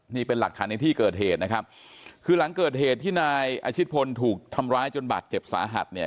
นี่เป็นหลักฐานในที่เกิดเหตุนะครับคือหลังเกิดเหตุที่นายอาชิตพลถูกทำร้ายจนบาดเจ็บสาหัสเนี่ย